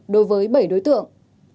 đối với bảy đối tượng